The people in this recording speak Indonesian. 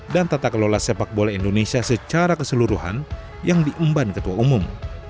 dan tata kelola sepak bola indonesia secara keseluruhan yang diumban ketua umum